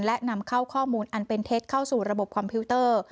และนำเข้าข้อมูลอันเป็นเท็จเข้าสู่ระบบคอมพิวเตอร์